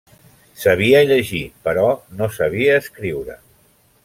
Sabia llegir, però no sabia escriure.